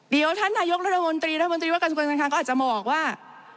เดี๋ยวท่านนายุกธมคกรสมคัมก็อาจจะมองว่า